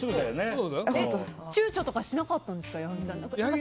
ちゅうちょとかしなかったですか矢作さん。